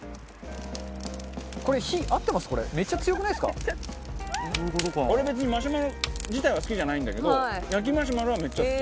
バカリズム：俺、別にマシュマロ自体は好きじゃないんだけど焼きマシュマロはめっちゃ好き。